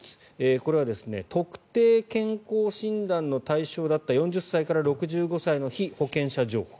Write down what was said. これは特定健康診断の対象だった４０歳から６５歳の被保険者情報。